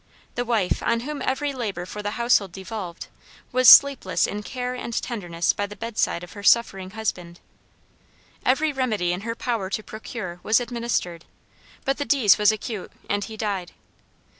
The wife, on whom every labor for the household devolved, was sleepless in care and tenderness by the bedside of her suffering husband. Every remedy in her power to procure was administered, but the disease was acute, and he died.